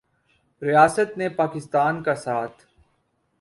ریاست نے پاکستان کا ساتھ